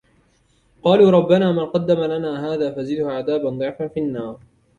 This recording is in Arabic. قَالُوا رَبَّنَا مَنْ قَدَّمَ لَنَا هَذَا فَزِدْهُ عَذَابًا ضِعْفًا فِي النَّارِ